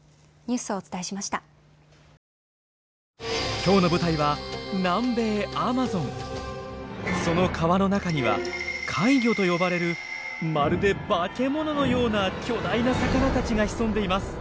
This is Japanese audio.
今日の舞台はその川の中には怪魚と呼ばれるまるで化け物のような巨大な魚たちが潜んでいます。